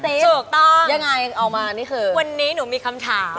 ถูกต้องยังไงออกมานี่คือวันนี้หนูมีคำถาม